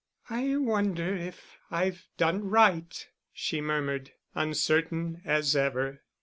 "I wonder if I've done right," she murmured, uncertain as ever.